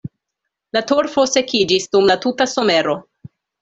La torfo sekiĝis dum la tuta somero.